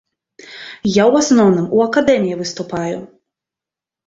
Я ў асноўным у акадэміі выступаю.